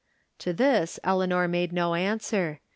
To this Eleanor made no answer.